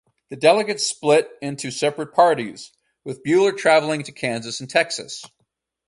The delegates split into separate parties, with Buller traveling to Kansas and Texas.